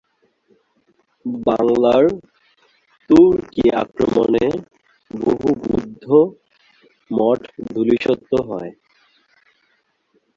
বাংলার তুর্কী আক্রমণে বহু বৌদ্ধ মঠ ধূলিসাৎ হয়।